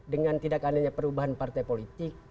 dengan tidak adanya perubahan partai politik